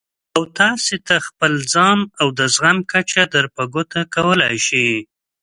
او تاسې ته خپل ځان او د زغم کچه در په ګوته کولای شي.